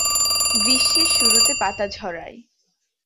গ্রীষ্মের শুরুতে পাতা ঝরায়।